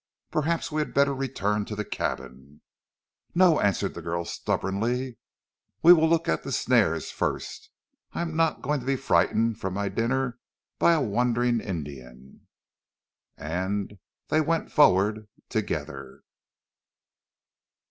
"Perhaps we had better return to the cabin." "No," answered the girl stubbornly. "We will look at the snares first. I'm not going to be frightened from my dinner by a wandering Indian." And they went forward together.